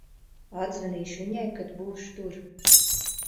Atzvanīšu viņai, kad būšu tur.